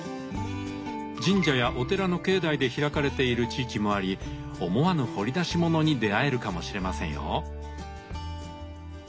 神社やお寺の境内で開かれている地域もあり思わぬ掘り出し物に出会えるかもしれませんよ。